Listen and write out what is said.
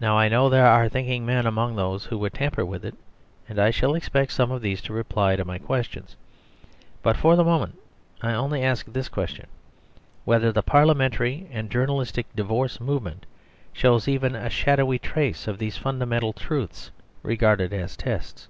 Now I know there are thinking men among those who would tamper with it; and I shall expect some of these to reply to my questions. But for the moment I only ask this question: whether the parliamentary and journalistic divorce movement shows even a shadowy trace of these fundamental truths, regarded as tests.